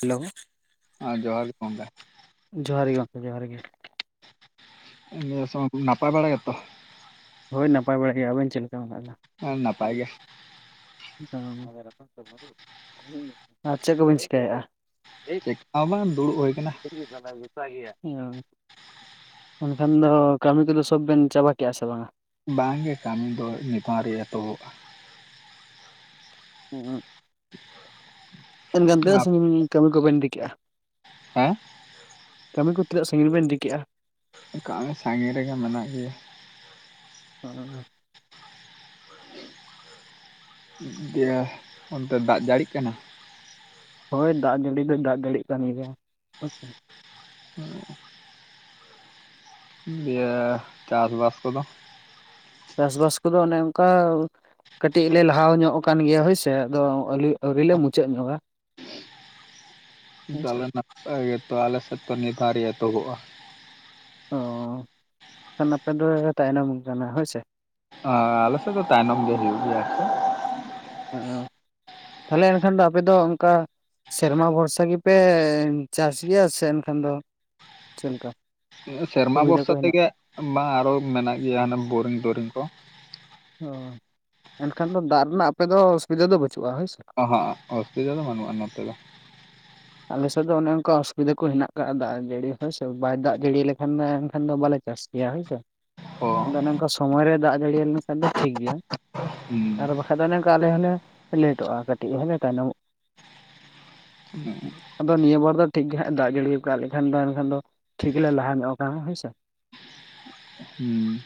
Hello ᱟ ᱡᱚᱦᱟᱨ ᱜᱮ ᱜᱚᱢᱠᱮ। ᱡᱚᱦᱟᱨ ᱜᱮ ᱜᱚᱢᱠᱮ ᱡᱚᱦᱟᱨ ᱜᱮ ᱱᱤᱭᱟᱹ ᱥᱚᱢᱚᱭ ᱠᱚ ᱱᱟᱯᱟᱭ ᱵᱟᱲᱟ ᱜᱮᱛᱚ? ᱦᱳᱭ ᱱᱟᱯᱟᱭ ᱵᱟᱲᱟ ᱜᱮ ᱟᱵᱮᱱ ᱪᱮᱫ ᱞᱮᱠᱟ ᱢᱮᱱᱟᱜ ᱵᱮᱱᱟ? ᱦᱮᱸ ᱱᱟᱯᱟᱭ ᱜᱮ ᱾ ᱚ [inaudible] ᱟᱨ ᱪᱮᱫ ᱠᱚᱵᱤᱱ ᱪᱤᱠᱟᱹᱭᱮᱫᱼᱟ? ᱪᱤᱠᱟ ᱦᱚᱸ ᱵᱟᱝ ᱫᱩᱲᱩᱵ ᱦᱩᱭ ᱟᱠᱟᱱᱟ ᱾ [inaudible] ᱚ ᱮᱱᱠᱷᱟᱱ ᱫᱚ ᱠᱟᱹᱢᱤ ᱠᱚᱫᱚ ᱥᱚᱵ ᱵᱮᱱ ᱪᱟᱵᱟ ᱠᱮᱫᱼᱟ ᱥᱮ ᱵᱟᱝᱟ? ᱵᱟᱝᱜᱮ ᱠᱟᱹᱢᱤ ᱫᱚ ᱱᱤᱛ ᱦᱚᱸ ᱟᱹᱣᱨᱤ ᱮᱛᱚᱦᱚᱵᱼᱟ ᱾ [inaudible] [inaudible] ᱮᱱᱠᱷᱟᱱ ᱛᱤᱱᱟᱹᱜ ᱟᱯ ᱥᱟᱜᱤᱧ ᱠᱟᱹᱢᱤ ᱠᱚᱵᱮᱱ ᱤᱫᱤ ᱠᱮᱜᱼᱟ? ᱦᱮᱸ ᱠᱟᱹᱢᱤ ᱠᱚ ᱛᱤᱱᱟᱹᱜ ᱥᱟᱺᱜᱤᱧ ᱵᱮᱱ ᱤᱫᱤ ᱠᱮᱫᱼᱟ? ᱠᱟᱹᱢᱤ ᱥᱟᱺᱜᱤᱧ ᱨᱮᱜᱮ ᱢᱮᱱᱟᱜ ᱜᱮᱭᱟ ᱾ ᱦᱮᱸ [inaudible] ᱫᱤᱭᱟᱹ ᱚᱱᱛᱮ ᱫᱟᱜ ᱡᱟᱹᱲᱤᱜ ᱠᱟᱱᱟ? ᱦᱳᱭ ᱫᱟᱜ ᱡᱟᱹᱲᱤ ᱫᱚ ᱫᱟᱜ ᱡᱟᱹᱲᱤ ᱠᱟᱱ ᱜᱮᱭᱟ ᱦᱮᱸ ᱥᱮ। [unintelligible] ᱫᱤᱭᱮ ᱪᱟᱥ ᱵᱟᱥ ᱠᱚᱫᱚ ᱪᱟᱥᱵᱟᱥ ᱠᱚᱫᱚ ᱚᱱᱮ ᱚᱱᱠᱟ ᱠᱟᱹᱴᱤᱡ ᱞᱮ ᱞᱟᱦᱟ ᱧᱚᱜ ᱟᱠᱟᱱ ᱜᱮᱭᱟ ᱦᱳᱭᱥᱮ ᱟᱫᱚ ᱟᱞᱤ ᱟᱹᱣᱨᱤ ᱞᱮ ᱢᱩᱪᱟᱹᱫ ᱧᱚᱜᱟ ᱾ ᱛᱟᱞᱮ ᱱᱟᱯᱟᱭ ᱜᱮᱛᱚ ᱟᱞᱮ ᱥᱮᱫ ᱫᱚ ᱱᱤᱛ ᱦᱚᱸ ᱟᱹᱣᱨᱤ ᱮᱛᱚᱦᱚᱵᱚᱜ - ᱟ ᱾ ᱚ ᱠᱷᱟᱱ ᱟᱯᱮ ᱫᱚ ᱛᱟᱭᱱᱚᱢ ᱠᱟᱱᱟ ᱦᱳᱭ ᱥᱮ ᱾ ᱟᱻ ᱟᱞᱮ ᱥᱮᱫ ᱫᱚ ᱛᱟᱭᱱᱚᱢ ᱜᱮ ᱦᱩᱭᱩᱜ ᱜᱮᱭᱟ ᱥᱮ [inaudible] ᱛᱟᱞᱦᱮ ᱮᱱᱠᱷᱟᱱ ᱫᱚ ᱟᱯᱮ ᱫᱚ ᱚᱱᱠᱟ ᱥᱮᱨᱢᱟ ᱵᱷᱚᱨᱥᱟ ᱜᱮᱯᱮ ᱪᱟᱥ ᱜᱮᱭᱟ ᱥᱮ ᱮᱱᱠᱷᱟᱱ ᱫᱚ ᱪᱮᱞᱠᱟ ᱥᱮᱨᱢᱟ ᱵᱷᱚᱨᱥᱟ ᱛᱮᱜᱮ ᱢᱟ ᱟᱨᱚ ᱢᱮᱱᱟᱜ ᱜᱮᱭᱟ ᱦᱟᱱᱮ ᱵᱳᱨᱤᱝ ᱴᱳᱨᱤᱝ ᱠᱚ ᱾ ᱚ ᱮᱱᱠᱷᱟᱱ ᱫᱚ ᱫᱟᱜ ᱨᱮᱱᱟᱜ ᱟᱯᱮ ᱫᱚ ᱚᱥᱩᱵᱤᱫᱟ ᱫᱚ ᱵᱟᱹᱪᱩᱜᱼᱟ ᱦᱳᱭ ᱥᱮ ᱚᱦᱚ ᱚᱥᱩᱵᱤᱫᱟ ᱫᱚ ᱵᱟᱹᱱᱩᱜᱼᱟ ᱱᱚᱛᱮ ᱫᱚ। ᱟᱞᱮᱥᱮᱫ ᱫᱚ ᱚᱱᱮ ᱚᱱᱠᱟ ᱚᱥᱩᱵᱤᱫᱟ ᱠᱚ ᱦᱮᱱᱟᱜ ᱟᱠᱟᱜᱼᱟ ᱫᱟᱜ ᱡᱟᱹᱲᱤ ᱦᱳᱭ ᱥᱮ ᱵᱟᱭ ᱫᱟᱜ ᱡᱟᱹᱲᱤ ᱞᱮᱠᱷᱟᱱ ᱫᱚ ᱮᱱᱠᱷᱟᱱ ᱫᱚ ᱵᱟᱞᱮ ᱪᱟᱥ ᱜᱮᱭᱟ ᱦᱳᱭ ᱥᱮ [unintelligible] ᱟᱫᱚ ᱚᱱᱮ ᱝᱠᱟ ᱥᱚᱢᱚᱭ ᱨᱮ ᱫᱟᱜ ᱡᱟᱹᱲᱤᱭᱟ ᱞᱮᱱᱠᱷᱟᱱ ᱫᱚ ᱴᱷᱤᱠ ᱜᱮᱭᱟ᱾ ᱦᱩᱸ ᱟᱨ ᱵᱟᱠᱷᱟᱡ ᱫᱚ ᱚᱱᱮ ᱚᱱᱠᱟ ᱟᱞᱮ ᱦᱚᱸᱞᱮ ᱞᱮᱴᱚᱜᱼᱟ ᱠᱟᱹᱴᱤᱡ ᱦᱚᱸᱞᱮ ᱛᱟᱭᱱᱚᱢᱚᱜᱼᱟ᱾ [unintelligible] ᱟᱫᱚ ᱱᱤᱭᱟᱹ ᱵᱚᱨ ᱫᱚ ᱴᱷᱤᱠ ᱜᱮ ᱦᱟᱸᱜ ᱫᱟᱜ ᱡᱟᱹᱲᱤ ᱠᱟᱜ ᱞᱮᱠᱷᱟᱱ ᱫᱚ ᱮᱱᱠᱷᱟᱱ ᱫᱚ ᱴᱷᱤᱠ ᱜᱮᱞᱮ ᱞᱟᱦᱟ ᱧᱚᱜ ᱠᱟᱱᱟ ᱦᱳᱭᱥᱮ᱾ ᱦᱩᱸ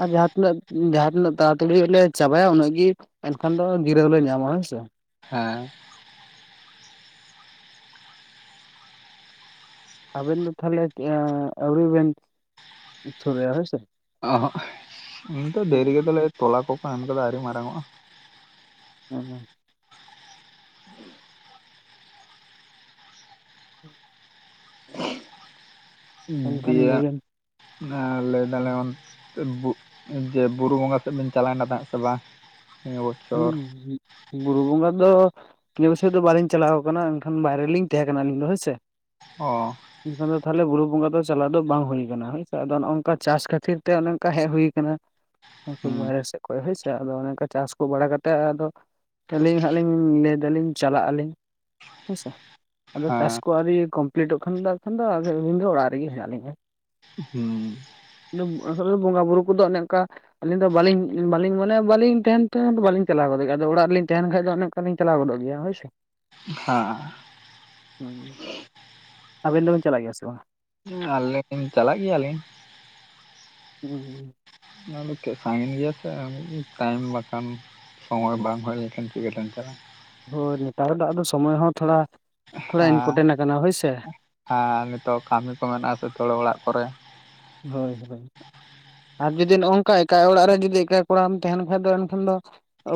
ᱟᱨ ᱡᱟᱦᱟᱸ ᱛᱤᱱᱟᱹᱜ ᱡᱟᱦᱟᱸ ᱛᱤᱱᱟᱹᱜ ᱛᱟᱲᱟᱛᱟᱲᱤ ᱞᱮ ᱪᱟᱵᱟᱭᱟ ᱩᱱᱟᱹᱜ ᱜᱮ ᱮᱱᱠᱷᱟᱱ ᱫᱚ ᱡᱤᱨᱟᱹᱣ ᱦᱚᱞᱮ ᱧᱟᱢᱟ ᱦᱮᱸ ᱥᱮ᱾ ᱦᱮᱸ᱾ ᱟᱵᱮᱱ ᱫᱚ ᱛᱟᱦᱚᱞᱮ ᱟᱹᱣᱨᱤ ᱵᱮᱱ ᱥᱩᱨᱭᱟ ᱦᱳᱭ ᱥᱮ? ᱩᱱ ᱫᱚ ᱫᱮᱨᱤ ᱜᱮᱛᱚᱞᱮ ᱛᱚᱞᱟ ᱠᱚᱠᱚ ᱮᱢ ᱟᱠᱟᱫᱟ ᱟᱹᱣᱨᱤ ᱢᱟᱨᱟᱝ ᱚᱼᱟ᱾ [unintelligible] ᱮᱱᱠᱷᱟᱱ ᱫᱤᱭᱟ ᱞᱟᱹᱭ ᱵᱮᱱ ᱟᱨ ᱞᱟᱹᱭᱫᱟᱞᱮ ᱚᱱ ᱡᱮ ᱵᱩᱨᱩ ᱵᱚᱸᱜᱟ ᱥᱮᱫ ᱵᱮᱱ ᱪᱟᱞᱟᱣᱮᱱᱟ ᱛᱟᱦᱮᱸᱫ ᱥᱮ ᱵᱟᱝ? ᱱᱤᱭᱟᱹ ᱵᱚᱪᱷᱚᱨ ᱦᱩᱸ ᱵᱩᱨᱩ ᱵᱚᱸᱜᱟ ᱫᱚ ᱤᱱᱟᱹ ᱵᱪᱷᱚᱨ ᱫᱚ ᱵᱟᱟᱹᱞᱤᱧ ᱪᱟᱞᱟᱣ ᱟᱠᱟᱱᱟ ᱮᱱᱠᱷᱟᱱ ᱵᱟᱭᱨᱮ ᱨᱮᱞᱤᱧ ᱛᱟᱦᱮᱸ ᱠᱟᱱᱟ ᱟᱹᱞᱤᱧ ᱫᱚ ᱦᱚᱭ ᱥᱮ᱾ ᱚ ᱮᱠᱷᱟᱱ ᱫᱚ ᱛᱟᱦᱚᱞᱮ ᱵᱩᱨᱩ ᱵᱚᱸᱜᱟ ᱫᱚ ᱪᱟᱞᱟᱜ ᱫᱚ ᱵᱟᱝ ᱦᱩᱭ ᱥᱮ ᱚᱱᱮ ᱚᱝᱠᱟ ᱪᱟᱥ ᱠᱷᱟᱛᱤᱨ ᱛᱮ ᱚᱱᱮ ᱚᱱᱠᱟ ᱦᱮᱡ ᱦᱩᱭ ᱟᱠᱟᱱᱟ᱾ ᱦᱩᱸ ᱵᱟᱭᱦᱨᱮ ᱥᱮᱫ ᱠᱷᱚᱡ ᱦᱚᱭ ᱥᱮ ᱚᱱᱮ ᱚᱱᱠᱟ ᱪᱟᱥ ᱛᱳᱯᱳ ᱵᱟᱲᱟ ᱠᱟᱛᱮᱮᱫ ᱟᱫᱚ ᱟᱹᱞᱤᱧ ᱦᱟᱸᱜ ᱞᱤᱧ ᱞᱟᱹᱭ ᱫᱟᱞᱤᱧ ᱪᱟᱞᱟᱜ ᱟᱹᱞᱤᱧ ᱦᱮᱸᱥᱮ᱾ ᱟᱫᱚ ᱪᱟᱥ ᱦᱮᱸ ᱠᱚ ᱟᱹᱣᱨᱤ ᱠᱚᱢᱯᱞᱤᱴᱚᱜ ᱠᱷᱟᱱ ᱫᱚ ᱟᱫᱚ ᱚᱲᱟᱜ ᱨᱮᱜᱮ ᱦᱮᱱᱟ ᱞᱤᱧᱟ᱾ ᱦᱩᱸ ᱵᱚᱸᱜᱟ ᱵᱩᱨᱩ ᱠᱚᱫᱚ ᱚᱱᱮ ᱚᱱᱠᱟ ᱟᱹᱞᱤᱧ ᱫᱚ ᱵᱟᱹᱞᱤᱧ ᱵᱟᱞᱤᱧ ᱢᱟᱱᱮ ᱵᱟᱞᱤᱧ ᱛᱟᱦᱮᱱ ᱫᱚ ᱵᱟᱞᱤᱧ ᱪᱟᱞᱟ ᱜᱚᱫᱚᱜ ᱜᱮᱭᱟ ᱟᱫᱚ ᱚᱲᱟᱜ ᱨᱮᱞᱤᱧ ᱛᱟᱦᱮᱱ ᱠᱷᱟᱱ ᱫᱚ ᱚᱱᱠᱟᱞᱤᱧ ᱪᱞᱟᱣ ᱜᱚᱫᱚᱜ ᱜᱮᱭᱟ ᱦᱳᱭ ᱥᱮ᱾ ᱦᱟᱸ ᱟᱵᱤᱱ ᱫᱚᱵᱤᱱ ᱪᱟᱞᱟᱜ ᱜᱮᱭᱟ ᱥᱮ ᱵᱟᱝ? ᱟᱞᱤᱧ ᱪᱟᱞᱟᱜ ᱜᱮᱭᱟᱞᱤᱧ᱾ [unintelligible] [unintelligible] ᱥᱚᱢᱚᱭ ᱵᱟᱝ ᱦᱩᱭ ᱞᱮᱱᱠᱷᱟᱱ ᱪᱤᱠᱟᱹᱛᱮᱢ ᱪᱟᱞᱼᱟ᱾ ᱦᱳᱭ ᱱᱮᱛᱟᱨ ᱫᱚ ᱟᱫᱚ ᱥᱚᱢᱳᱚᱭ ᱦᱚᱸ ᱛᱷᱚᱲᱟ ᱛᱷᱚᱲᱟ ᱦᱮᱸ ᱤᱱᱯᱨᱴᱮᱱᱴ ᱟᱠᱟᱱᱟ ᱦᱳᱭ ᱥᱮ᱾ ᱦᱮᱸ ᱱᱤᱛᱚᱜ ᱠᱟᱹᱢᱤ ᱠᱚ ᱢᱮᱱᱟᱜᱼᱟ ᱛᱚ ᱚᱲᱟᱜ ᱠᱚᱨᱮ, ᱦᱳᱭ ᱦᱳᱭ᱾ ᱟᱨ ᱡᱩᱫᱤ ᱱᱚᱜ ᱱᱚᱝᱠᱟ ᱮᱠᱟᱟᱭ ᱚᱲᱟᱜ ᱨᱮ ᱡᱩᱫᱤ ᱮᱠᱟᱭ ᱠᱚᱲᱟᱢ ᱛᱟᱦᱮᱱ ᱠᱷᱟᱡ ᱫᱚ ᱮᱱᱠᱷᱟᱱ ᱫᱚ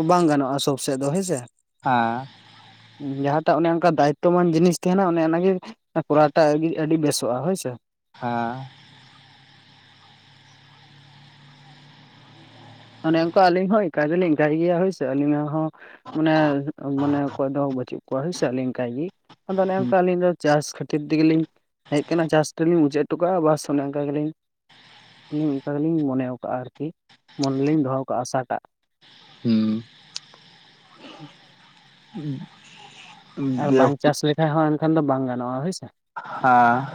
ᱵᱟᱝ ᱜᱟᱱᱚᱜᱼᱟ ᱥᱚᱵ ᱥᱮᱮᱫ ᱫᱚ ᱦᱮᱸᱥᱮ᱾ ᱦᱮᱸ ᱡᱟᱦᱟᱸᱴᱟᱜ ᱚᱱᱮ ᱚᱱᱠᱟ ᱫᱟᱭᱤᱛᱚᱢᱟᱱ ᱡᱤᱱᱤᱥ ᱛᱟᱦᱮᱱᱟ ᱚᱱᱮ ᱚᱱᱟᱜᱮ ᱠᱚᱨᱟᱣᱴᱟᱜ ᱟᱹᱰᱤ ᱵᱮᱥᱚᱜᱼᱟ ᱦᱳᱭᱥᱮ᱾ ᱦᱮᱸ᱾ ᱚᱱᱮ ᱚᱱᱠᱟ ᱟᱹᱞᱤᱧ ᱦᱚᱸ ᱮᱱᱠᱟᱭ ᱫᱚ ᱞᱤᱧ ᱚᱱᱠᱟᱭ ᱜᱮᱭᱟ ᱥᱮ ᱟᱹᱞᱤᱧᱟᱜ ᱦᱚᱸ, ᱢᱟᱱᱮ ᱢᱟᱱᱮ ᱚᱠᱚᱭ ᱫᱚ ᱵᱟᱹᱪᱩᱜ ᱠᱚᱣᱟ ᱦᱩᱭ ᱥᱮ ᱟᱹᱞᱤᱧ ᱮᱠᱟᱭ ᱜᱤ, ᱟᱫᱚ ᱚᱱᱮ ᱚᱱᱠᱟ ᱟᱹᱞᱤᱧ ᱫᱚ ᱪᱟᱥ ᱠᱷᱟᱹᱛᱤᱨ ᱛᱮᱜᱮᱞᱤᱧ ᱦᱮᱡ ᱟᱠᱟᱱᱟ ᱪᱟᱥ ᱛᱮᱫᱞᱤᱧ ᱢᱩᱪᱟᱹᱫ ᱦᱚᱴᱚ ᱠᱟᱜᱼᱟ, ᱵᱟᱥ ᱚᱱᱮ ᱚᱱᱠᱟ ᱜᱮᱞᱤᱧ ᱟᱹᱞᱤ ᱚᱱᱠᱟ ᱜᱮᱞᱤᱧ ᱢᱚᱱᱮᱣᱠᱟᱜᱼᱟ ᱟᱨᱠᱤ ᱢᱚᱱᱮ ᱨᱮᱞᱤᱧ ᱫᱚᱦᱚ ᱠᱟᱜᱼᱟ ᱟᱥᱟᱴᱟᱜ᱾ [unintelligible] [unintelligible] ᱟᱨ ᱫᱤᱭᱮ ᱵᱟᱝ ᱪᱟᱥ ᱞᱮᱠᱷᱟᱡ ᱦᱚᱸ ᱮᱱᱠᱷᱟᱱ ᱫᱚ ᱵᱟᱝ ᱜᱟᱱᱚᱜᱼᱟ ᱦᱳᱭᱥᱮ᱾ ᱦᱟᱸ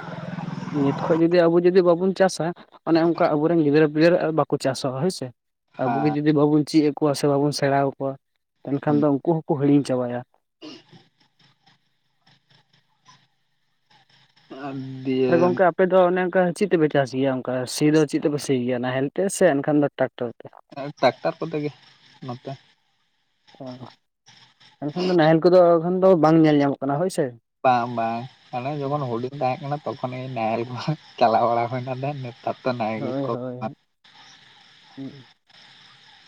ᱱᱤᱛ ᱠᱷᱚᱡ ᱡᱩᱫᱤ ᱟᱵᱚ ᱡᱩᱫᱤ ᱵᱟᱵᱚᱱ ᱪᱟᱥᱟ᱾ ᱚᱱᱮ ᱚᱱᱠᱟ ᱟᱵᱚᱨᱮᱱ ᱜᱤᱫᱽᱟᱹᱨᱟᱹ ᱯᱤᱫᱟᱹᱨ ᱵᱟᱠᱚ ᱪᱟᱥᱚᱜᱼᱟ ᱦᱳᱭ ᱥᱮ᱾ ᱟᱵᱚ ᱜᱮ ᱡᱩᱫᱤ ᱵᱟᱵᱚᱱ ᱪᱮᱫ ᱟᱠᱚᱣᱟ ᱥᱮ ᱵᱟᱵᱩᱱ ᱥᱮᱬᱟ ᱟᱠᱚᱣᱟ ᱮᱱᱠᱷᱟᱱ ᱫᱚ ᱩᱱᱠᱩ ᱦᱚᱸᱠᱚ ᱦᱤᱲᱤᱧ ᱪᱟᱵᱟᱭᱟ᱾ [unintelligible] [unintelligible] ᱜᱚᱝᱠᱮ ᱟᱯᱮᱫᱚ ᱚᱱᱮ ᱚᱱᱠᱟ ᱪᱮᱫ ᱛᱮᱯᱮ ᱪᱟᱥ ᱜᱮᱭᱟ ᱚᱱᱠᱟ ᱥᱤ ᱫᱚ ᱪᱮᱫ ᱛᱮᱯᱮ ᱥᱤ ᱜᱮᱭᱟ ᱱᱟᱦᱮᱞ ᱛᱮ ᱥᱮ ᱮᱱᱠᱷᱟᱱ ᱫᱚ ᱴᱨᱟᱠᱴᱚᱨ ᱛᱮ? ᱴᱟᱠᱴᱟᱨ ᱠᱚᱛᱮ ᱜᱮ ᱱᱚᱛᱮ ᱚ ᱮᱱᱠᱷᱟᱱ ᱫᱚ ᱱᱟᱦᱮᱞ ᱠᱚᱫᱚ ᱮᱠᱷᱚᱱ ᱫᱚ ᱵᱟᱝ ᱧᱮᱞ ᱧᱟᱢᱚᱜ ᱠᱟᱱᱟ ᱦᱳᱭ ᱥᱮ ᱵᱟᱝ ᱵᱟᱝ ᱢᱟᱱᱮ ᱡᱚᱠᱷᱚᱱ ᱦᱩᱰᱤᱝ ᱛᱟᱦᱮᱸ ᱠᱟᱱᱟ ᱛᱚᱠᱷᱚᱱ ᱱᱟᱦᱮᱞ ᱠᱚ ᱪᱟᱞᱟᱣ ᱵᱟᱲᱟ ᱦᱩᱭᱱᱟ ᱫᱮᱱ ᱦᱳᱭ ᱦᱳᱭ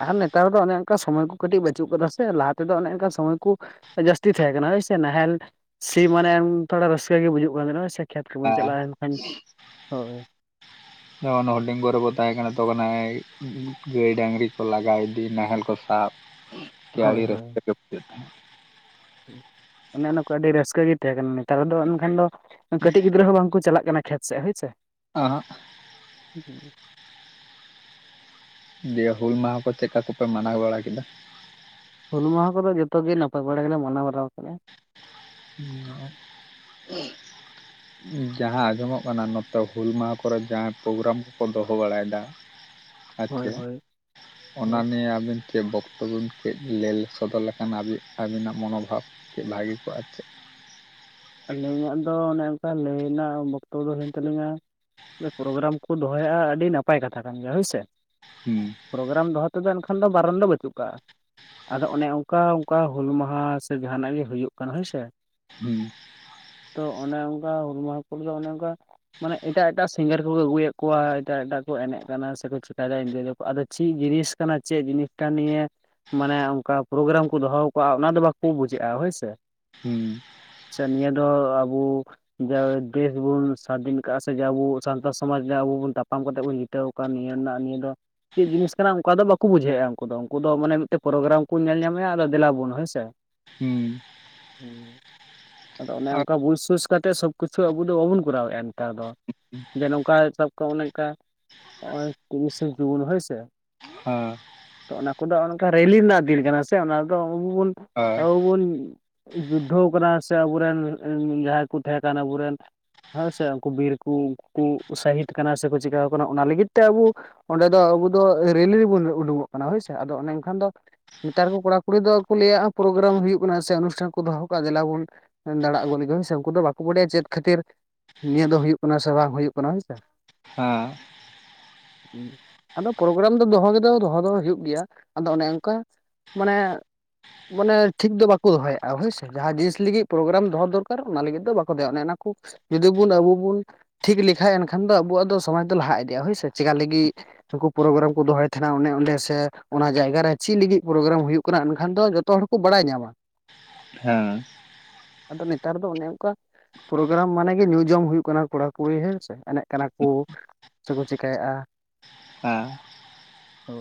ᱟᱨ ᱱᱮᱛᱟᱨ ᱫᱚ ᱚᱱᱮ ᱚᱱᱠᱟ ᱥᱚᱢᱚᱭ ᱠᱩ ᱠᱟᱹᱴᱤᱡ ᱵᱟᱹᱪᱩᱜ ᱠᱟᱫᱟ ᱥᱮ ᱞᱟᱦᱟ ᱛᱮᱫᱚ ᱚᱱᱮ ᱚᱱᱠᱟ ᱥᱚᱢᱚᱭ ᱠᱩ ᱡᱟᱹᱥᱛᱤ ᱛᱮᱦᱮᱸ ᱠᱟᱱᱟ ᱦᱳᱭᱥᱮ ᱱᱟᱦᱮᱞ ᱥᱤ ᱢᱟᱱᱮ ᱛᱷᱚᱲᱟ ᱨᱟᱹᱥᱠᱟᱹ ᱜᱮ ᱵᱩᱡᱩᱜ ᱠᱟᱱ ᱛᱮᱦᱮᱱᱟ ᱦᱳᱭᱥᱮ᱾ ᱦᱮᱸ ᱡᱮᱢᱚᱱ ᱦᱩᱰᱤᱝ ᱠᱚᱨᱮ ᱵᱚ ᱛᱟᱦᱮᱸ ᱠᱟᱱᱟ ᱛᱚᱠᱷᱚᱱ ᱜᱟᱹᱭ ᱰᱟᱹᱝᱜᱽᱨᱤ ᱠᱚ ᱞᱟᱜᱟ ᱤᱫᱤ, ᱱᱟᱦᱮᱞ ᱠᱚ ᱥᱟᱵ ᱦᱳᱭ ᱟᱹᱰᱤ ᱦᱳᱭ ᱨᱟᱥᱠᱟᱹ [unintelligible] ᱚᱱᱮ ᱚᱱᱟ ᱠᱚ ᱟᱹᱰᱤ ᱨᱟᱹᱥᱠᱟᱹ ᱜᱮ ᱛᱟᱦᱮᱸ ᱠᱟᱱᱟ, ᱱᱮᱛᱟᱨ ᱫᱚ ᱮᱱᱠᱷᱟᱱ ᱫᱚ ᱠᱟᱹᱴᱤᱡ ᱜᱤᱫᱽᱨᱟᱹ ᱠᱚᱸ ᱵᱟᱝ ᱠᱚ ᱪᱟᱞᱟᱜ ᱠᱟᱱᱟ, ᱠᱷᱮᱛ ᱥᱮᱫ ᱦᱳᱭ ᱥᱮ᱾ ᱚᱦ᱾ [inaudible] ᱫᱤᱭᱮ ᱦᱩᱞ ᱢᱟᱦᱟ ᱠᱚ ᱪᱮᱫ ᱞᱮᱠᱟ ᱠᱚᱯᱮ ᱢᱟᱱᱟᱣ ᱵᱟᱲᱟ ᱠᱮᱫᱟ? ᱦᱩᱞ ᱢᱟᱦᱟ ᱠᱚᱫᱚ ᱡᱚᱛᱚ ᱜᱮ ᱱᱟᱯᱟᱭ ᱵᱟᱲᱟ ᱜᱮᱞᱮ ᱢᱟᱱᱟᱣ ᱵᱟᱨᱟᱣ ᱟᱠᱟᱫᱼᱟ᱾ [inaudible] ᱡᱟᱦᱟᱸ ᱟᱸᱡᱚᱢᱚᱜ ᱠᱟᱱᱟ, ᱱᱤᱛᱚᱜ ᱦᱩᱞ ᱢᱟᱦᱟ ᱠᱚᱨᱮ ᱡᱟᱦᱟᱸᱭ ᱯᱨᱳᱜᱨᱟᱢ ᱠᱚᱠᱚ ᱫᱚᱦᱚ ᱵᱟᱲᱟᱭ ᱮᱫᱟ ᱦᱳᱭ ᱟᱪᱪᱷᱟ, ᱦᱳᱭ ᱦᱳᱭ ᱚᱱᱟ ᱱᱤᱭᱮ ᱟᱹᱵᱤᱱ ᱪᱮᱫ ᱵᱚᱠᱛᱚᱵ ᱵᱮᱱ ᱠᱟᱹᱡ ᱞᱟᱹᱭ ᱥᱚᱫᱚᱨ ᱞᱮᱠᱷᱟᱱ, ᱟᱵᱤᱱᱟᱜ ᱢᱚᱱᱳᱵᱷᱟᱵ ᱵᱷᱟᱹᱜᱤ ᱠᱚᱜᱼᱟ ᱪᱮᱫ? ᱟᱹᱞᱤᱧᱟᱜ ᱫᱚ ᱚᱱᱮ ᱚᱱᱠᱟ ᱞᱟᱹᱭ ᱨᱮᱱᱟᱜ ᱵᱚᱠᱛᱚ ᱫᱚ ᱦᱩᱭᱮᱱ ᱛᱟᱹᱞᱤᱧᱟ᱾ ᱯᱨᱳᱜᱨᱟᱢ ᱠᱚ ᱫᱚᱦᱚᱭᱮᱫᱼᱟ᱾ ᱟᱹᱰᱤ ᱱᱟᱯᱟᱭ ᱠᱟᱛᱷᱟ ᱠᱟᱱ ᱜᱮᱭᱟ ᱦᱳᱭ ᱥᱮ? ᱦᱮᱸ ᱯᱨᱳᱜᱨᱟᱢ ᱫᱚᱦᱚ ᱛᱮᱫᱚ ᱮᱱᱠᱷᱟᱱ ᱫᱚ ᱵᱟᱨᱚᱱ ᱫᱚ ᱵᱟᱹᱪᱩᱜ ᱠᱟᱜᱼᱟ? ᱟᱫᱚ ᱚᱱᱮ ᱚᱱᱠᱟ ᱚᱱᱠᱟ ᱦᱩᱞ ᱢᱟᱦᱟ ᱥᱮ ᱡᱟᱦᱟᱱᱟᱜ ᱜᱮ ᱦᱩᱭᱩᱜ ᱠᱟᱱᱟ ᱦᱳᱭ ᱥᱮ ᱦᱩᱸ᱾ ᱛᱚ ᱚᱱᱮ ᱚᱱᱠᱟ ᱦᱩᱞ ᱢᱟᱦᱟ ᱠᱚᱫᱚ ᱚᱱᱮ ᱚᱱᱠᱟ ᱢᱟᱱᱮ ᱮᱴᱟᱜ ᱮᱴᱟᱜ ᱥᱤᱝᱜᱟᱨ ᱠᱚᱠᱚ ᱟᱹᱜᱩᱭᱮᱫ ᱠᱚᱣᱟ᱾ ᱮᱴᱟᱜ ᱮᱴᱟᱜ ᱠᱚ ᱮᱱᱮᱡ ᱠᱟᱱᱟ ᱥᱮᱠᱚ ᱪᱤᱠᱟᱭ ᱮᱫᱟ ᱤᱱᱤᱫᱟᱹᱭ ᱫᱚᱠᱚ ᱟᱫᱚ ᱪᱮᱫ ᱡᱤᱱᱤᱥ ᱠᱟᱱᱟ ᱪᱮᱫ ᱡᱤᱱᱤᱥ ᱴᱟᱱ ᱱᱤᱭᱟᱹ ᱢᱟᱱᱮ ᱚᱱᱠᱟ ᱯᱨᱚᱜᱨᱟᱢ ᱠᱚ ᱫᱚᱦᱚ ᱟᱠᱟᱜᱼᱟ, ᱚᱱᱟ ᱫᱚ ᱵᱟᱠᱚ ᱵᱩᱡᱮᱜᱼᱟ? ᱦᱳᱭᱥᱮ᱾ ᱦᱩᱸ᱾ ᱥᱮ ᱱᱤᱭᱟᱹ ᱫᱚ ᱟᱵᱩ ᱡᱮ ᱫᱮᱥ ᱵᱩᱱ ᱥᱟᱫᱷᱤᱱ ᱟᱠᱟᱜᱼᱟ ᱥᱮ ᱟᱵᱚ ᱥᱟᱱᱛᱟᱲ ᱥᱚᱢᱟᱡᱽ ᱨᱮ ᱟᱵᱚ ᱵᱚᱱ ᱛᱟᱯᱟᱢ ᱠᱟᱛᱮᱜ ᱵᱚᱱ ᱡᱤᱛᱟᱹᱣ ᱚᱱᱠᱟ ᱱᱤᱭᱟᱹ ᱨᱮᱱᱟᱜ ᱱᱤᱭᱟᱹ ᱫᱚ ᱪᱮᱫ ᱡᱤᱱᱤᱥ ᱠᱟᱱᱟ ᱚᱱᱠᱟ ᱫᱚ ᱵᱟᱠᱚ ᱵᱩᱡᱷᱟᱹᱣᱼᱟ ᱩᱱᱠᱩ ᱫᱚ ᱩᱱᱠᱩ ᱫᱚ ᱢᱟᱱᱮ ᱢᱤᱫᱴᱮᱱ ᱯᱨᱳᱜᱨᱟᱢ ᱠᱚ ᱧᱮᱞ ᱧᱟᱢᱮᱫᱭᱟ᱾ ᱟᱫᱚ ᱫᱮᱞᱟᱵᱚᱱ ᱦᱮᱸ ᱥᱮ᱾ ᱦᱩᱸ᱾ ᱦᱮᱸ᱾ ᱟᱫᱚ ᱚᱱᱮ ᱟᱨ ᱚᱱᱠᱟ ᱵᱩᱡ ᱥᱩᱥ ᱠᱟᱛᱮᱫ ᱥᱚᱵ ᱠᱤᱪᱷᱩ ᱟᱵᱚ ᱫᱚ ᱵᱟᱵᱚᱱ ᱠᱚᱨᱟᱣᱮᱫᱼᱟ, ᱱᱮᱛᱟᱨ ᱫᱚ᱾ ᱡᱮ ᱱᱚᱝᱠᱟ ᱥᱟᱵ ᱠᱚ ᱚᱱᱮ ᱚᱱᱠᱟ ᱛᱤᱨᱤᱥᱮ ᱡᱩᱱ ᱦᱳᱭ ᱥᱮ ᱦᱮᱸ ᱚᱱᱟ ᱠᱚᱫᱚ ᱚᱱᱠᱟ ᱨᱮᱞᱤ ᱨᱮᱱᱟᱜ ᱫᱤᱱ ᱠᱟᱱᱟ ᱥᱮ ᱚᱱᱟᱫᱚ ᱟᱵᱚ ᱵᱚᱱ ᱦᱳᱭ ᱟᱵᱚ ᱵᱚᱱ ᱡᱩᱫᱽᱫᱷᱚ ᱟᱠᱟᱫᱟ ᱥᱮ ᱟᱵᱚᱨᱮᱱ ᱡᱟᱦᱟᱸᱭ ᱠᱚ ᱛᱟᱦᱮᱸ ᱠᱟᱱᱟ᱾ ᱟᱵᱚ ᱨᱮᱱ ᱦᱮᱸ ᱥᱮ ᱩᱱᱠᱩ ᱵᱤᱨ ᱠᱚ ᱩᱱᱠᱩ ᱥᱟᱹᱦᱤᱛ ᱠᱟᱱᱟ ᱥᱮ ᱠᱚ ᱪᱤᱠᱟᱣ ᱠᱟᱱᱟ? ᱚᱱᱟ ᱞᱟᱹᱜᱤᱫ ᱛᱮ ᱟᱵᱚ ᱚᱸᱰᱮ ᱫᱚ ᱟᱵᱚ ᱫᱚ ᱨᱮᱹᱞᱤ ᱨᱮᱵᱚᱱ ᱩᱰᱩᱠᱚᱜ ᱠᱟᱱᱟ᱾ ᱦᱳᱭ ᱥᱮ ᱟᱫᱚ ᱚᱱᱮ ᱠᱷᱟᱱ ᱫᱚ ᱱᱮᱛᱟᱨ ᱠᱚ ᱠᱚᱲᱟ ᱠᱩᱲᱤ ᱫᱚ ᱠᱚ ᱞᱟᱹᱭᱟᱜ-ᱟ ᱯᱨᱳᱜᱨᱟᱢ ᱦᱩᱭᱩᱜ ᱠᱟᱱᱟ ᱥᱮ ᱚᱱᱩᱥᱴᱷᱟᱱ ᱠᱚ ᱫᱚᱦᱚ ᱠᱟᱜ-ᱟ ᱫᱮᱞᱟᱵᱩᱱ ᱫᱟᱬᱟ ᱟᱜᱩ ᱞᱮᱜᱮ ᱦᱮᱥᱮ ᱩᱱᱠᱩ ᱫᱚ ᱵᱟᱠᱚ ᱵᱟᱰᱟᱭ-ᱟ ᱪᱮᱫ ᱠᱷᱟᱹᱛᱤᱨ? ᱱᱤᱭᱟᱹ ᱫᱚ ᱦᱩᱭᱩᱜ ᱠᱟᱱᱟ ᱥᱮ ᱵᱟᱝ ᱦᱩᱭᱩᱜ ᱠᱟᱱᱟ ᱦᱳᱭᱥᱮ᱾ ᱦᱮᱸ ᱟᱫᱚ ᱯᱨᱳᱜᱨᱟᱢ ᱫᱚ ᱫᱚᱦᱚ ᱜᱮᱫᱚ ᱫᱚᱦᱚ ᱫᱚ ᱦᱩᱭᱩᱜ ᱜᱮᱭᱟ ᱟᱫᱚ ᱚᱱᱮ ᱚᱱᱠᱟ ᱢᱟᱱᱮ ᱢᱟᱱᱮ ᱴᱷᱤᱠ ᱫᱚ ᱵᱟᱠᱚ ᱫᱚᱦᱚᱭᱮᱜ-ᱟ ᱦᱳᱭᱥᱮ ᱡᱟᱦᱟᱸ ᱡᱤᱱᱤᱥ ᱞᱤᱜᱤᱫ ᱯᱨᱳᱜᱨᱟᱢ ᱫᱚᱦᱚ ᱫᱚᱨᱠᱟᱨ ᱚᱱᱟ ᱞᱟᱹᱜᱤᱫ ᱫᱚ ᱵᱟᱠᱚ ᱫᱚᱦᱭᱟᱜ ᱚᱱᱮ ᱚᱱᱟ ᱠᱩ ᱡᱩᱫᱤ ᱵᱚᱱ ᱟᱵᱩ ᱵᱩᱱ ᱴᱷᱤᱠ ᱞᱮᱠᱷᱟᱡ ᱮᱱᱠᱷᱟᱱ ᱫᱚ ᱟᱵᱩᱣᱟᱜ ᱫᱚ ᱥᱚᱢᱟᱡᱽ ᱫᱚ ᱞᱟᱦᱟ ᱤᱫᱤᱜ-ᱟ ᱦᱳᱭᱥᱮ ᱪᱮᱠᱟ ᱞᱟᱜᱤᱫ ᱱᱩᱠᱩ ᱯᱨᱳᱜᱨᱟᱢ ᱠᱚ ᱫᱚᱦᱚᱭ ᱛᱷᱮᱱᱟ ᱚᱱᱮ ᱚᱸᱰᱮ ᱥᱮ ᱚᱱᱟ ᱡᱟᱭᱜᱟᱨᱮ ᱪᱮᱫ ᱞᱤᱜᱤᱫ ᱯᱨᱳᱜᱨᱟᱢ ᱦᱩᱭᱩᱜ ᱠᱟᱱᱟ? ᱮᱱᱠᱷᱟᱱ ᱫᱚ ᱛᱚ ᱦᱚᱲ ᱠᱚ ᱵᱟᱲᱟᱭ ᱧᱟᱢᱟ᱾ ᱦᱮᱸ ᱟᱫᱚ ᱱᱮᱛᱟᱨ ᱫᱚ ᱚᱱᱮ ᱚᱱᱠᱟ ᱯᱨᱳᱜᱨᱟᱢ ᱢᱟᱱᱮ ᱜᱮ ᱧᱩ ᱡᱚᱢ ᱦᱩᱭᱩᱜ ᱠᱟᱱᱟ ᱠᱚᱲᱟ ᱠᱩᱲᱤ ᱦᱮᱸᱥᱮ ᱮᱱᱮᱡ ᱠᱟᱱᱟ ᱠᱩ ᱥᱮᱠᱚ ᱪᱮᱠᱟᱭᱮᱜ-ᱟ ᱦᱮᱸ ᱦᱳ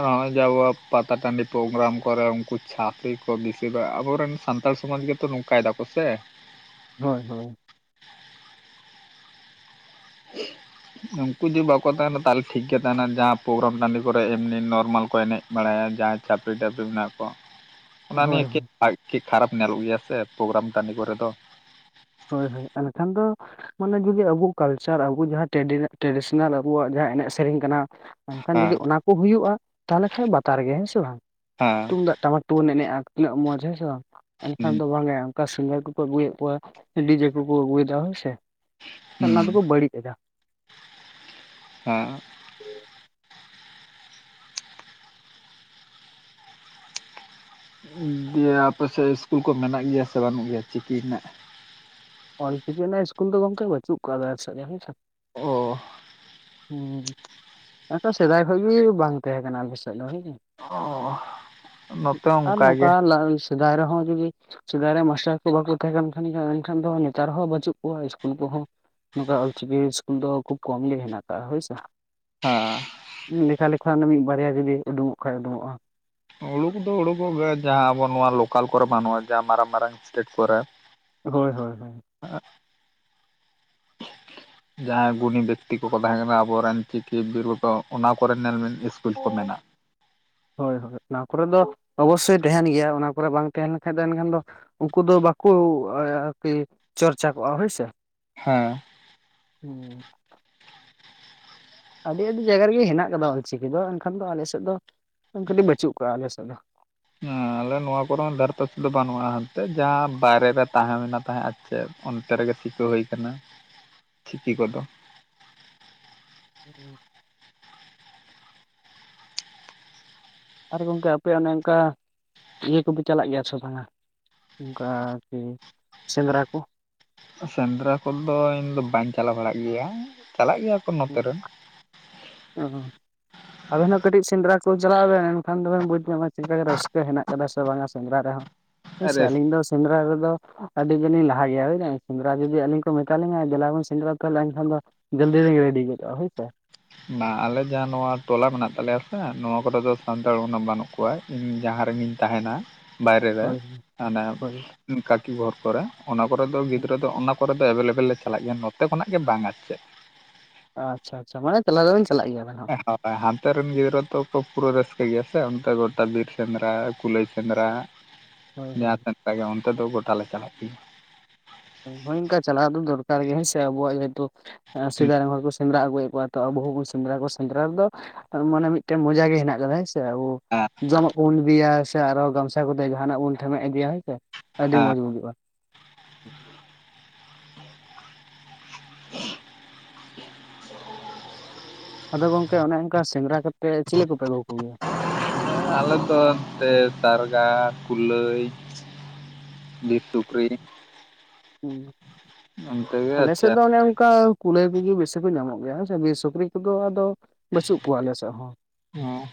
ᱚᱜ-ᱚᱭ ᱡᱮ ᱟᱵᱚᱣᱟᱜ ᱯᱟᱛᱟ ᱴᱟᱹᱰᱤ ᱯᱨᱳᱜᱨᱟᱢ ᱠᱚᱨᱮ ᱩᱱᱠᱩ ᱪᱷᱟᱯᱨᱤ ᱠᱚ ᱵᱤᱥᱤ ᱠᱚ ᱟᱵᱚᱨᱮᱱ ᱥᱟᱱᱛᱟᱲ ᱥᱚᱢᱟᱡᱽ ᱜᱮ ᱛᱚ ᱱᱚᱝᱠᱟᱭ ᱫᱟᱠᱚ ᱥᱮ ᱦᱳᱭ ᱦᱳᱭ ᱩᱱᱠᱩ ᱡᱩᱫᱤ ᱵᱟᱠᱚ ᱛᱟᱦᱮᱱᱟ ᱛᱟᱦᱚᱞᱮ ᱴᱷᱤᱠ ᱜᱮ ᱛᱟᱦᱮᱱᱟ ᱡᱟᱦᱟᱸ ᱯᱨᱳᱜᱨᱟᱢ ᱴᱟᱺᱰᱤ ᱠᱚᱨᱮ ᱮᱢᱱᱤ ᱱᱚᱨᱢᱟᱞ ᱠᱚ ᱮᱱᱮᱡ ᱵᱟᱲᱟᱭᱟ ᱡᱟ ᱪᱟᱯᱨᱤ ᱴᱟᱯᱨᱤ ᱢᱮᱱᱟᱜ ᱠᱚ᱾ ᱚᱱᱟ ᱱᱤᱭᱮ ᱦᱳᱭ ᱠᱮ ᱦᱳᱭ ᱟᱡ ᱠᱮ ᱠᱷᱟᱨᱟᱯ ᱧᱮᱞᱚᱜ ᱜᱮᱭᱟ ᱥᱮ ᱯᱨᱳᱜᱨᱟᱢ ᱴᱟᱺᱰᱤ ᱠᱚᱨᱮ ᱫᱚ᱾ ᱦᱳᱭ ᱦᱳᱭ ᱮᱱᱠᱷᱟᱱ ᱫᱚ ᱢᱟᱱᱮ ᱡᱩᱫᱤ ᱟᱵᱩ ᱠᱟᱞᱪᱟᱨ ᱟᱵᱩ ᱡᱟᱦᱟᱸ ᱴᱮᱰᱤ ᱴᱨᱮᱰᱤᱥᱮᱱᱟᱞ ᱟᱵᱩᱣᱟᱜ ᱡᱟᱦᱟᱸ ᱮᱱᱮᱡ ᱥᱮᱨᱮᱧ ᱠᱟᱱᱟ ᱮᱱᱠᱷᱟᱱ ᱦᱮᱸ ᱡᱩᱫᱤ ᱚᱱᱟ ᱠᱚ ᱦᱩᱭᱩᱜ-ᱟ ᱛᱟᱦᱞᱮ ᱠᱷᱟᱱ ᱵᱟᱛᱟᱨ ᱜᱮ ᱦᱮᱸ ᱥᱮ ᱵᱟᱝ ᱦᱮᱸ ᱛᱩᱢᱫᱟᱜ ᱴᱟᱢᱟᱠ ᱛᱮᱵᱩᱱ ᱮᱱᱮᱜ-ᱟ ᱛᱤᱱᱟᱹᱜ ᱢᱚᱸᱡᱽ ᱦᱮᱸ ᱥᱮ ᱵᱟᱝ ᱮᱱᱠᱷᱟᱱ ᱦᱩᱸ ᱫᱚ ᱵᱟᱝᱮ ᱚᱱᱠᱟ ᱥᱤᱝᱜᱟᱨ ᱠᱚᱠᱚ ᱟᱹᱜᱩᱭᱮᱜ ᱠᱚᱣᱟ, ᱰᱤᱡᱮ ᱠᱚᱠᱚ ᱟᱹᱜᱩᱭᱮᱫᱟ ᱦᱳᱭ ᱥᱮ ᱦᱩᱸ ᱚᱱᱟ ᱫᱚᱠᱚ ᱵᱟᱹᱲᱤᱡ ᱮᱫᱟ᱾ ᱦᱮᱸ ᱫᱤᱭᱮ ᱟᱯᱮᱥᱮᱫ ᱤᱥᱠᱩᱞ ᱠᱚ ᱢᱮᱱᱟᱜ ᱜᱮᱭᱟ ᱥᱮ ᱵᱟᱱᱩᱜ ᱜᱮᱭᱟ ᱪᱤᱠᱤ ᱨᱮᱱᱟᱜ? ᱚᱞ ᱪᱤᱠᱤ ᱨᱮᱱᱟᱜ ᱤᱥᱠᱩᱞ ᱫᱚ ᱜᱚᱝᱠᱮ ᱵᱟᱪᱩᱜ ᱠᱟᱣ ᱫᱟ᱾ ᱚ ᱦᱮᱸ ᱮᱱᱠᱟ ᱥᱮᱫᱟᱭ ᱠᱷᱚᱡ ᱜᱤ ᱵᱟᱝ ᱛᱮᱦᱮ ᱠᱟᱱᱟ ᱟᱞᱮ ᱥᱮᱫ ᱫᱚ ᱦᱩᱸ ᱚ, ᱱᱚᱛᱮ ᱦᱚᱸ ᱟᱨ ᱚᱱᱠᱟ ᱜᱮ ᱱᱚᱠᱟ ᱥᱮᱫᱟᱭ ᱨᱮᱦᱚᱸ ᱡᱩᱫᱤ ᱥᱮᱫᱟᱭ ᱨᱮ ᱢᱟᱥᱴᱟᱨ ᱠᱩ ᱵᱟᱠᱚ ᱛᱟᱦᱮᱸ ᱠᱟᱱ ᱠᱷᱟᱱ ᱮᱱᱠᱷᱟᱱ ᱫᱚ ᱱᱮᱛᱟᱨ ᱦᱚᱸ ᱵᱟᱹᱪᱩᱜ ᱠᱚᱣᱟ ᱤᱥᱠᱩᱞ ᱠᱚᱦᱚᱸ ᱱᱚᱠᱟ ᱚᱞᱪᱤᱠᱤ ᱤᱥᱠᱩᱞ ᱫᱚ ᱠᱷᱩᱵ ᱠᱚᱢ ᱜᱮ ᱦᱮᱱᱟᱜ ᱦᱳᱭᱥᱮ ᱦᱮᱸ ᱞᱮᱠᱷᱟ ᱞᱮᱠᱷᱟᱱ ᱢᱤᱫ ᱵᱟᱨᱭᱟ ᱡᱩᱫᱤ ᱩᱰᱩᱝᱚᱜ ᱠᱷᱟᱡ ᱩᱰᱩᱝᱚᱜ-ᱟ ᱩᱲᱩᱠ ᱫᱚ ᱩᱲᱩᱠ ᱠᱚᱜ ᱜᱮᱭᱟ ᱡᱟᱦᱟᱸ ᱟᱵᱚ ᱱᱚᱣᱟ ᱞᱳᱠᱟᱞ ᱠᱚᱨᱮ ᱵᱟᱹᱱᱩᱜ-ᱟ ᱡᱟᱦᱟᱸ ᱢᱟᱨᱟᱝ ᱢᱟᱨᱟᱝ ᱮᱥᱴᱮᱴ ᱠᱚᱨᱮ ᱦᱳᱭ ᱦᱳᱭ ᱦᱳᱭ [unintelligible] ᱡᱟᱦᱟᱸᱭ ᱜᱩᱱᱤ ᱵᱮᱠᱛᱤ ᱠᱚᱠᱚ ᱛᱟᱦᱮᱸ ᱠᱟᱱᱟ ᱟᱵᱚᱨᱮᱱ ᱪᱤᱠᱤ ᱵᱤᱨᱩᱣᱟᱹ ᱚᱱᱟ ᱠᱚᱨᱮ ᱱᱮᱞ ᱵᱤᱱ ᱤᱥᱠᱩᱞ ᱠᱚ ᱢᱮᱱᱟᱜ-ᱟ᱾ ᱦᱳᱭ ᱦᱳᱭ ᱚᱱᱟ ᱠᱚᱨᱮ ᱫᱚ ᱚᱵᱚᱥᱳᱭ ᱛᱮᱦᱮᱱ ᱜᱮᱭᱟ ᱚᱱᱟ ᱠᱚᱨᱮ ᱵᱟᱝ ᱛᱮᱦᱮᱱ ᱞᱮᱱᱠᱷᱟᱱ ᱫᱚ ᱮᱱᱠᱷᱟᱱ ᱫᱚ ᱩᱱᱠᱩ ᱫᱚ ᱵᱟᱠᱚ ᱟᱨᱠᱤ ᱪᱚᱨᱪᱟ ᱠᱚᱜ-ᱟ ᱦᱳᱭ ᱥᱮ᱾ ᱦᱮᱸ ᱾ ᱦᱩᱸ ᱾ ᱟᱹᱰᱤ ᱟᱹᱰᱤ ᱡᱟᱭᱜᱟ ᱨᱮᱜᱮ ᱦᱮᱱᱟᱜ ᱟᱠᱟᱫᱟ ᱚᱞᱪᱤᱠᱤ ᱫᱚ ᱮᱱᱠᱷᱟᱱ ᱫᱚ ᱟᱞᱮ ᱥᱮᱫ ᱫᱚ ᱠᱟᱹᱴᱤᱡ ᱵᱟᱹᱪᱩᱜ ᱠᱚᱜᱼᱟ ᱟᱞᱮ ᱥᱮᱫ ᱫᱚ ᱾ ᱟᱸᱻ ᱾ ᱟᱞᱮ ᱱᱚᱣᱟ ᱠᱚᱨᱮ ᱦᱚ ᱫᱷᱟᱨᱮ ᱯᱟᱥᱮ ᱫᱚ ᱵᱟᱹᱱᱩᱜᱼᱟ ᱦᱟᱱᱛᱮ ᱡᱟᱦᱟᱸ ᱵᱟᱭᱨᱮ ᱨᱮ ᱛᱟᱦᱮᱸ ᱦᱩᱭ ᱞᱮᱱᱟ ᱛᱟᱦᱮᱸ ᱟᱨ ᱪᱮᱫ ᱚᱱᱛᱮ ᱨᱮᱜᱮ ᱥᱤᱠᱟᱹ ᱦᱩᱭ ᱠᱟᱱᱟ ᱪᱤᱠᱤ ᱠᱚᱫᱚ ᱾ ᱦᱩᱜ ᱩᱸ ᱟᱨ ᱜᱚᱝᱠᱮ ᱟᱯᱮ ᱚᱱᱮ ᱚᱱᱠᱟ ᱤᱭᱟᱹ ᱠᱚᱯᱮ ᱪᱟᱞᱟᱜ ᱜᱮᱭᱟ ᱥᱮ ᱵᱟᱝᱟ? ᱚᱱᱠᱟ ᱟᱨ ᱠᱤ ᱥᱮᱸᱫᱽᱨᱟ ᱠᱚ ᱾ ᱥᱮᱸᱫᱽᱨᱟ ᱠᱚᱫᱚ ᱤᱧ ᱫᱚ ᱵᱟᱹᱧ ᱪᱟᱞᱟᱣ ᱵᱟᱲᱟᱜ ᱜᱮᱭᱟ ᱪᱟᱞᱟᱜ ᱜᱮᱭᱟ ᱠᱚ ᱱᱚᱛᱮ ᱨᱮᱱ [unintelligible] ᱚ, ᱟᱵᱮᱱ ᱦᱚ ᱠᱟᱹᱴᱤᱡ ᱥᱮᱸᱫᱽᱨᱟ ᱠᱚ ᱪᱟᱞᱟᱜ ᱵᱮᱱ ᱮᱱᱠᱷᱟᱱ ᱫᱚᱵᱮᱱ ᱵᱩᱡᱽ ᱧᱟᱢᱟ ᱪᱮᱫᱠᱟᱜ ᱨᱟᱹᱥᱠᱟᱹ ᱦᱮᱱᱟᱜ ᱟᱠᱟᱫᱟ ᱥᱮ ᱵᱟᱝᱟ ᱥᱮᱸᱫᱽᱨᱟ ᱨᱮᱦᱚᱸ, ᱟᱨ ᱦᱳᱭᱥᱮ ᱟᱞᱤᱧ ᱫᱚ ᱥᱮᱸᱫᱽᱨᱟ ᱨᱮᱫᱚ ᱟᱹᱰᱤ ᱜᱮ ᱞᱤᱧ ᱞᱟᱦᱟ ᱜᱮᱭᱟ ᱵᱩ [unintelligible] ᱥᱮᱸᱫᱽᱨᱟ ᱡᱩᱫᱤ ᱟᱹᱞᱤᱧ ᱠᱚ ᱢᱮᱛᱟᱞᱤᱧᱟ ᱫᱮᱞᱟ ᱵᱚᱱ ᱥᱮᱸᱫᱽᱨᱟᱼᱟ ᱛᱟᱦᱚᱞᱮ ᱮᱱᱠᱷᱟᱱ ᱫᱚ ᱡᱚᱞᱫᱤ [unintelligible] ᱨᱮᱰᱤ ᱜᱚᱫᱚᱜ-ᱟ ᱦᱳᱭᱥᱮ ᱾ ᱵᱟᱝ ᱟᱞᱮ ᱡᱟᱦᱟᱸ ᱱᱚᱣᱟ ᱴᱚᱞᱟ ᱢᱮᱱᱟᱜ ᱛᱟᱞᱮᱭᱟ ᱥᱮ ᱱᱚᱣᱟ ᱠᱚᱨᱮ ᱫᱚ ᱥᱟᱱᱛᱟᱲ ᱩᱱᱟᱹᱜ ᱵᱟᱹᱱᱩᱜ ᱠᱚᱣᱟ ᱤᱧ ᱡᱟᱦᱟᱸ ᱨᱮᱜᱤᱧ ᱛᱟᱦᱮᱱᱟ ᱾ ᱵᱟᱭᱨᱮ ᱨᱮ ᱦᱳᱭ ᱢᱟᱱᱮ ᱦᱳᱭ ᱠᱟᱠᱤ ᱜᱷᱚᱨ ᱠᱚᱨᱮ ᱚᱱᱟ ᱠᱚ ᱨᱮ ᱫᱚ ᱜᱤᱫᱽᱨᱟᱹ ᱫᱚ ᱚᱱᱟ ᱠᱚᱨᱮ ᱫᱚ ᱮᱵᱮᱞ ᱮᱵᱮᱞ ᱞᱮ ᱪᱟᱞᱟᱜ ᱜᱮᱭᱟ ᱱᱚᱛᱮ ᱠᱷᱚᱱᱟᱜ ᱜᱮ ᱵᱟᱝ ᱟᱨ ᱪᱮᱫ ᱾ ᱟᱪᱪᱷᱟ ᱟᱪᱷᱟ ᱢᱟᱱᱮ ᱪᱟᱞᱟᱣ ᱫᱚᱵᱮᱱ ᱪᱟᱞᱟᱜ ᱜᱮᱭᱟ ᱵᱮᱱ? ᱦᱳᱭ ᱦᱟᱱᱛᱮ ᱨᱮᱱ ᱜᱤᱫᱽᱨᱟᱹ ᱛᱚ ᱯᱩᱨᱟᱹ ᱨᱟᱹᱥᱠᱟᱹ ᱜᱮᱭᱟ ᱥᱮ ᱚᱱᱛᱮ ᱜᱚᱴᱟ ᱵᱤᱨ ᱥᱮᱸᱫᱽᱨᱟ ᱠᱩᱞᱟᱹᱭ ᱥᱮᱸᱫᱽᱨᱟ ᱦᱳᱭ ᱦᱳᱭ ᱡᱟᱦᱟᱸ ᱥᱮᱸᱫᱽᱨᱟ ᱜᱮ ᱚᱱᱛᱮ ᱫᱚ ᱜᱚᱴᱟ ᱞᱮ ᱪᱟᱞᱟᱜ ᱜᱮᱭᱟ ᱾ ᱦᱳᱭ ᱚᱝᱠᱟ ᱪᱟᱞᱟᱣ ᱫᱚᱨᱠᱟᱨ ᱜᱮᱭᱟ ᱦᱳᱭ ᱥᱮ ᱟᱵᱚᱣᱟᱜ ᱡᱮᱦᱮᱛᱩ ᱥᱮᱫᱟᱭ ᱨᱮᱱ ᱦᱚᱲ ᱠᱚ ᱥᱮᱸᱫᱽᱨᱟ ᱟᱹᱜᱩᱭᱮᱫ ᱠᱚᱣᱟ ᱾ ᱛᱚ ᱟᱵᱚ ᱦᱚᱸᱵᱚᱱ ᱥᱮᱸᱫᱽᱨᱟ ᱠᱚᱣᱟ ᱥᱮᱸᱫᱽᱨᱟ ᱨᱮᱫᱚ ᱢᱟᱱᱮ ᱢᱤᱫᱴᱮᱱ ᱢᱚᱡᱟ ᱜᱮ ᱦᱮᱱᱟᱜ ᱟᱠᱟᱫᱟ [unintelligible] ᱵᱚ ᱡᱚᱢᱟᱜ ᱵᱚᱱ ᱤᱫᱤᱭᱟ ᱥᱮ ᱟᱨᱚ ᱜᱟᱢᱥᱟ ᱠᱚᱛᱮ ᱡᱟᱦᱟᱱᱟᱜ ᱵᱚᱱ ᱴᱷᱮᱢᱮᱫ ᱤᱫᱤᱭᱟ ᱦᱳᱭ ᱥᱮ ᱾ ᱟᱹᱰᱤ ᱦᱮᱸ ᱢᱚᱸᱡᱽ ᱵᱩᱡᱩᱜ-ᱟ ᱾ [inaudible] ᱟᱫᱚ ᱜᱚᱝᱠᱮ ᱚᱱᱮ ᱚᱱᱠᱟ ᱥᱮᱸᱫᱽᱨᱟ ᱠᱟᱛᱮᱫ ᱪᱤᱞᱤ ᱠᱚᱯᱮ ᱟᱹᱜᱩ ᱠᱚᱜᱮᱭᱟ? ᱟᱞᱮ ᱫᱚ ᱮᱱᱛᱮ ᱥᱟᱨᱜᱟ, ᱠᱩᱞᱟᱹᱭ ᱵᱤᱨ ᱥᱩᱠᱨᱤ ᱾ ᱦᱩᱸ ᱚᱱᱛᱮ ᱜᱮ ᱟᱞᱮ ᱥᱮᱫ ᱟᱪᱪᱷᱟ ᱫᱚ ᱚᱱᱮ ᱚᱱᱠᱟ ᱠᱩᱞᱟᱹᱭ ᱠᱚᱜᱮ ᱵᱤᱥᱤ ᱠᱚ ᱧᱟᱢᱚᱜ ᱜᱮᱭᱟ ᱦᱮᱸ ᱥᱮ ᱥᱩᱠᱨᱤ ᱠᱚᱫᱚ ᱟᱫᱚ ᱵᱟᱹᱪᱩᱜ ᱠᱚᱣᱟ ᱟᱞᱮ ᱥᱮᱫ ᱦᱚᱸ᱾ ᱚᱸ ᱾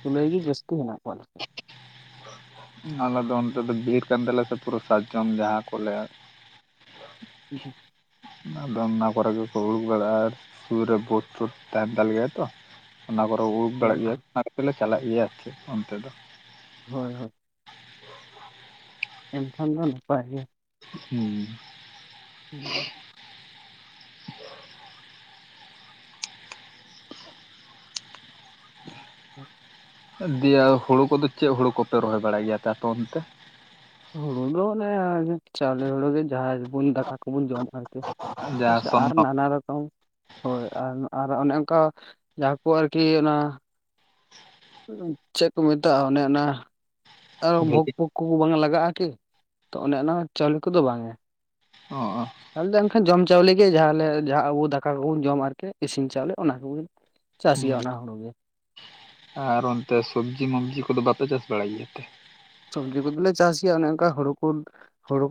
ᱠᱩᱞᱟᱹᱭ ᱜᱮ ᱡᱟᱹᱥᱛᱤ ᱦᱮᱱᱟᱜ ᱠᱚᱣᱟ ᱟᱞᱮ ᱥᱮᱫ ᱾ ᱟᱞᱮ ᱫᱚ ᱚᱱᱛᱮ ᱫᱚ ᱵᱤᱨ ᱠᱟᱱ ᱛᱟᱞᱮᱭᱟ ᱥᱮ ᱯᱩᱨᱟᱹ ᱥᱟᱨᱡᱚᱢ ᱡᱟᱦᱟᱸ ᱠᱚᱞᱮ ᱦᱩᱸ [unintelligible] ᱟᱫᱚ ᱚᱱᱟ ᱠᱚᱨᱮ ᱜᱮᱠᱚ ᱩᱲᱩᱠ ᱵᱟᱲᱟᱜ-ᱟ ᱟᱨ ᱥᱩᱨ ᱨᱮ ᱵᱳᱛᱚᱨ [unintelligible] ᱛ ᱛᱟᱦᱮᱱ ᱛᱟᱞᱮ ᱜᱮᱭᱟ ᱛᱚ ᱚᱱᱟ ᱠᱚᱨᱮ ᱩᱲᱩᱵ ᱵᱟᱲᱟᱜ ᱦᱳᱭ ᱜᱮᱭᱟ ᱦᱳᱭ ᱚᱱᱟ ᱛᱮᱞᱮ ᱪᱟᱞᱟᱜ ᱜᱮᱭᱟ ᱟᱨᱠᱤ ᱚᱱᱛᱮ ᱫᱚ ᱾ ᱦᱳᱭ ᱦᱳᱭ ᱾ ᱮᱱᱠᱷᱟᱱ ᱫᱚ ᱱᱟᱯᱟᱭ ᱜᱮ ᱾ ᱦᱩᱸ ᱾ ᱦᱩᱸ ᱻ᱾ ᱫᱤᱭᱮ ᱦᱩᱲᱩ ᱠᱚᱫᱚ ᱪᱮᱫ ᱦᱩᱲᱩ ᱠᱚᱯᱮ ᱨᱚᱦᱚᱭ ᱵᱟᱲᱟᱭ ᱜᱮᱭᱟ ᱟᱯᱮ ᱚᱱᱛᱮ? ᱦᱩᱲᱩ ᱫᱚ ᱚᱱᱮ ᱪᱟᱣᱞᱮ ᱦᱩᱲᱩ ᱜᱮ ᱡᱟᱦᱟᱸ ᱵᱚᱱ ᱫᱟᱠᱟ ᱠᱚᱵᱚᱱ ᱡᱚᱢᱟ ᱟᱨᱠᱤ ᱾ ᱦᱳᱭ ᱡᱟᱦᱟᱸ ᱥᱮ ᱟᱨ ᱥᱚᱨᱱᱚ ᱱᱟᱱᱟ ᱨᱚᱠᱚᱢ ᱦᱳᱭ, ᱟᱨ ᱟᱨ ᱚᱱᱮ ᱚᱱᱠᱟ ᱡᱟᱦᱟᱸ ᱠᱚ ᱟᱨᱠᱤ ᱚᱱᱟ ᱪᱮᱫ ᱠᱚ ᱢᱮᱛᱟᱜ-ᱟ ᱚᱱᱮ ᱚᱱᱟ? ᱟᱨ ᱵᱷᱳᱜᱽ ᱵᱷᱮᱞᱤ ᱯᱷᱳᱜᱽ ᱠᱚ ᱵᱟᱝ ᱞᱟᱜᱟᱜ-ᱟ ᱠᱤ ᱛᱚ ᱚᱱᱮ ᱚᱱᱟ ᱪᱟᱣᱞᱮ ᱠᱚᱫᱚ ᱵᱟᱝ-ᱟ ᱾ ᱚ ᱚ ᱾ ᱟᱞᱮ ᱫᱚ ᱮᱱᱠᱷᱟᱱ ᱡᱚᱢ ᱪᱟᱣᱞᱮ ᱜᱮ ᱡᱟᱦᱟᱸᱞᱮ ᱡᱟᱦᱟᱸ ᱟᱵᱚ ᱫᱟᱠᱟ ᱠᱚᱵᱚᱱ ᱡᱚᱢᱟ ᱟᱨᱠᱤ ᱤᱥᱤᱱ ᱪᱟᱣᱞᱮ ᱚᱱᱟ ᱠᱚᱜᱮ ᱾ ᱪᱟᱥ ᱦᱩᱸ ᱜᱮᱭᱟ ᱚᱱᱟ ᱦᱳᱲᱳ ᱜᱮ ᱟᱨ ᱚᱱᱛᱮ ᱥᱚᱵᱽᱡᱤ ᱢᱚᱵᱡᱤ ᱠᱚᱫᱚ ᱵᱟᱯᱮ ᱪᱟᱥ ᱵᱟᱲᱟᱭ ᱜᱮᱭᱟ ᱮᱱᱛᱮ ᱥᱚᱵᱽᱡᱤ ᱠᱚᱫᱚᱞᱮ ᱪᱟᱥ ᱜᱮᱭᱟ ᱚᱱᱮ ᱚᱱᱠᱟ ᱦᱳᱲᱳ ᱠᱚ ᱦᱳᱲᱳ ᱠᱚ ᱨᱚᱦ